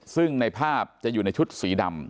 ซึ่งในภาพจะอยู่ในชุดสีดำ